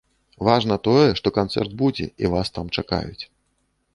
Важна тое, што канцэрт будзе, і вас там чакаюць.